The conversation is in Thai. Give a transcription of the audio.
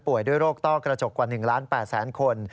ป่วยด้วยโรคต้อกระจกกว่า๑ล้าน๘๐๐คน